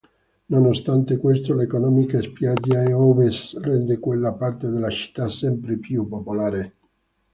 Nonostante questo, l'economica spiaggia a ovest rende quella parte della città sempre più popolare.